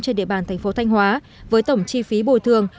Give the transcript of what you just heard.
trên địa bàn tp thanh hóa với tổng chi phí bồi thường